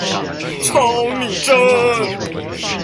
超擬真！